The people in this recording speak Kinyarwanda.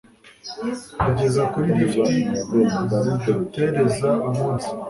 Kugeza kuri lift zidutereza umunsi ...